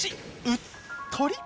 うっとり。